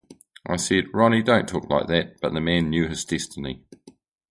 I said, 'Ronnie, don't talk like that,' but the man knew his destiny.